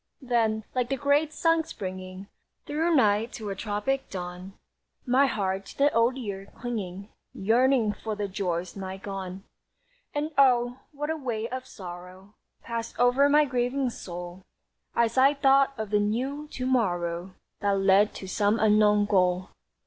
Then, like the great sun springing Through night to a tropic dawn, My heart, to the Old Year clinging, Yearned for the joys nigh gone. And oh, what a wave of sorrow Passed over my grieving soul, As I thought of the new to morrow That led to some unknown goal!